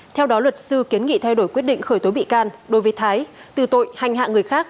theo đó luật sư kiến nghị thay đổi quyết định khởi tố bị can đối với thái từ tội hành hạ người khác